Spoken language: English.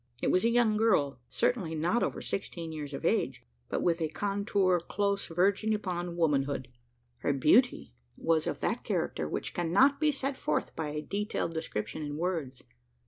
It was a young girl certainly not over sixteen years of age but with a contour close verging upon womanhood. Her beauty was of that character which cannot be set forth by a detailed description in words.